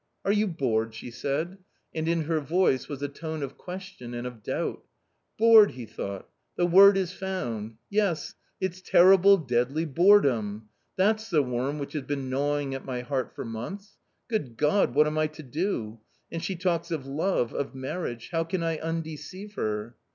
" Are you bored ?" she said, and in her voice was a tone of question and of doubt. " Bored !" he thought, " the word is found ! Yes, it's terrible deadly boredom ! that's the worm which has been gnawing at my heart for months. Good God, what am I to do? and she talks of love, of marriage. How can I undeceive her